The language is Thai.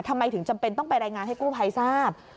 ทำไมถึงจำเป็นต้องไปรายงานให้กู้ภัยทราบ